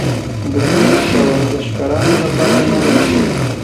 بوټونه د ورزشکارانو لپاره نرم وي.